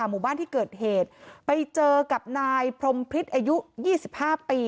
หมู่บ้านที่เกิดเหตุไปเจอกับนายพรมพิษอายุ๒๕ปี